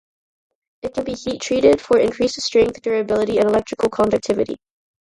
It can be heat-treated for increased strength, durability, and electrical conductivity.